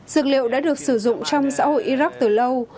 dược liệu đã được sử dụng trong xã hội iraq từ lâu